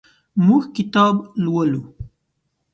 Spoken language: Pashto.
موږ کتاب لولو.